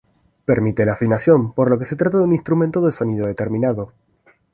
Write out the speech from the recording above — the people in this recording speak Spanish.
Permite la afinación, por lo que se trata de un instrumento de sonido determinado.